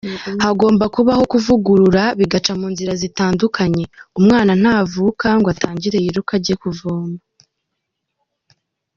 Hagomba kubaho kuvugurura, bigaca mu nzira zitandukanye, umwana ntavuga ngo atangire yiruke ajye kuvoma.